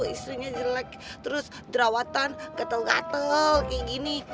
istrinya jelek terus derawatan gatel gatel kayak gini